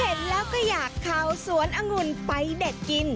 เห็นแล้วก็อยากเข้าสวนองุ่นไปเด็ดกิน